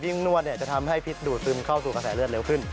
นวดจะทำให้พิษดูดซึมเข้าสู่กระแสเลือดเร็วขึ้น